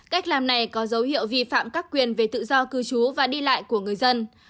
cách làm này có dấu hiệu vi phạm các quyền về tự do cư trú và đi lại của người dân